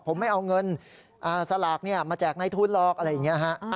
ผมไม่เอาเงินสลากมาแจกในทุนหรอกอะไรอย่างนี้นะฮะ